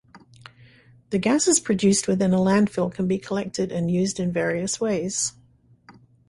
The gases produced within a landfill can be collected and used in various ways.